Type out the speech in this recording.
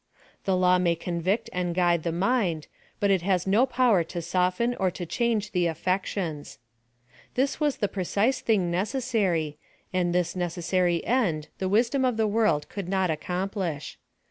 The law may convict and guide the mind, but W has nc power to soften or to change the affections. This was the precise thing necessary, and this ne cessary end the wisdom of the world could not ac complish.